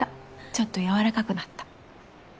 ちょっと柔らかくなった。